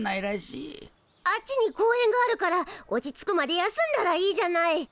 あっちに公園があるから落ち着くまで休んだらいいじゃない。